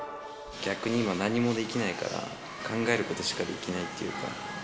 逆に今、何もできないから、考えることしかできないっていうか。